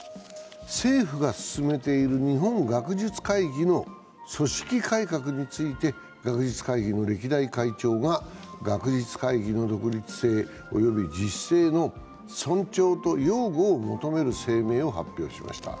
政府が進めている日本学術会議の組織改革について学術会議の歴代会長が学術会議の独立性及び自主性の尊重と擁護を求める声明を発表しました。